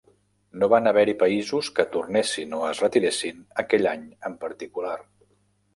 No van haver-hi països que tornessin o es retiressin aquell any en particular.